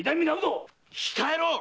控えろっ！